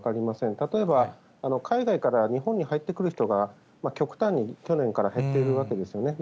例えば海外から日本に入ってくる人が極端に去年から減っているわけですよね。